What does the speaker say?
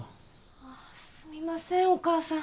あぁすみませんお母さん